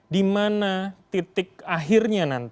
di mana titik akhirnya